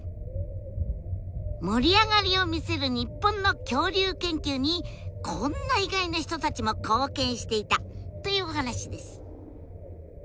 盛り上がりを見せる日本の恐竜研究にこんな意外な人たちも貢献していたというお話です！